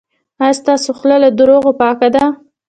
ایا ستاسو خوله له درواغو پاکه ده؟